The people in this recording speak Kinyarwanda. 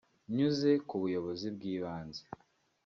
nyuze ku buyobozi bw’ibanze